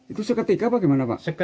itu seketika apa gimana pak